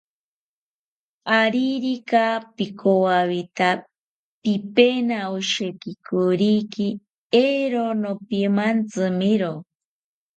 Aririka pikowawita pipena osheki koriki, eero nopimantzimiro